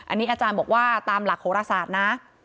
อันนี้อาจารย์บอกว่าตามหลักโหรศาสตร์นะ